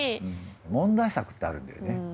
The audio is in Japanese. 問題作ってあるんだよね